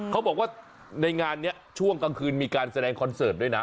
เขาบอกว่าในงานนี้ช่วงกลางคืนมีการแสดงคอนเสิร์ตด้วยนะ